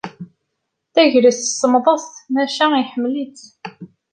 Tagrest semmḍet, maca iḥemmel-itt.